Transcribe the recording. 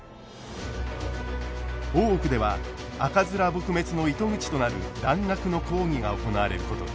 大奥では赤面撲滅の糸口となる蘭学の講義が行われることに。